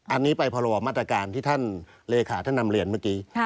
อันนี้ไปพรวมาตรการที่ท่านเลขาท่านนำเรียนเมื่อกี้